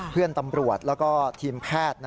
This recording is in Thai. เพื่อนตำรวจแล้วก็ทีมแพทย์